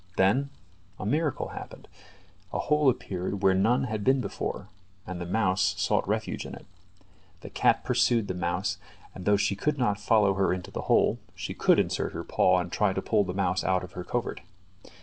Then a miracle happened; a hole appeared where none had been before, and the mouse sought refuge in it. The cat pursued the mouse, and though she could not follow her into the hole, she could insert her paw and try to pull the mouse out of her covert.